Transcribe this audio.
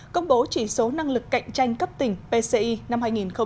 công bố chỉ số năng lực cạnh tranh cấp tỉnh pci năm hai nghìn một mươi chín